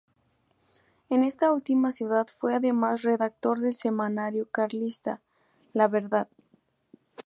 En esta última ciudad fue además redactor del semanario carlista "La Verdad".